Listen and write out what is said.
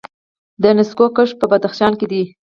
د نسکو کښت په بدخشان کې دی.